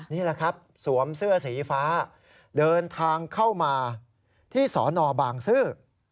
นี่แหละครับสวมเสื้อสีฟ้าเดินทางเข้ามาที่สนบางซื่อ